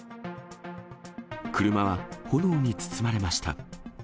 車は炎に包まれました。